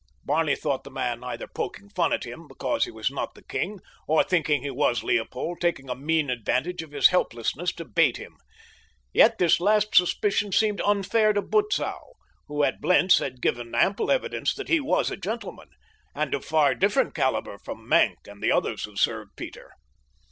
Barney thought the man either poking fun at him because he was not the king, or, thinking he was Leopold, taking a mean advantage of his helplessness to bait him. Yet this last suspicion seemed unfair to Butzow, who at Blentz had given ample evidence that he was a gentleman, and of far different caliber from Maenck and the others who served Peter.